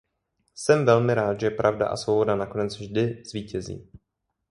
Jsem velmi rád, že pravda a svoboda nakonec vždy zvítězí.